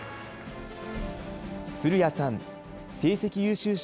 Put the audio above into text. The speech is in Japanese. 古屋さん、成績優秀者